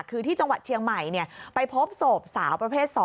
คือที่จังหวัดเชียงใหม่ไปพบศพสาวประเภท๒